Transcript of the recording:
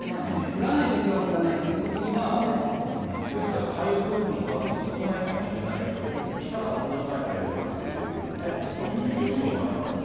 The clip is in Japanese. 降らないときは降らない、降るときには大ですから台風の数も少ないかもしれないけど、来たらとんでもない台風が来るっていうようなね、予想もありますが。